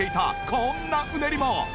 こんなうねりも。